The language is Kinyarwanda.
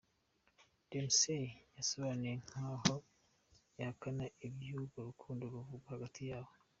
them say yasobanuwe nkaho ihakana ibyurwo rukundo ruvugwa hagati yabo.